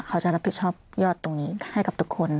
เขาจะรับผิดชอบยอดตรงนี้ให้กับทุกคน